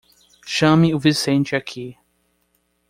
Chame o Vicente aqui!